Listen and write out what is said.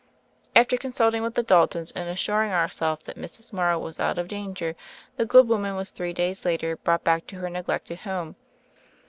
After consulting with the Daltons and assur ing ourselves that Mrs. Morrow was out of danger, the good woman was three days later brought back to her neglected home.